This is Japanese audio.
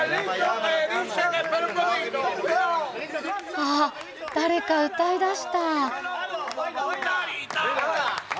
あっ誰か歌いだした。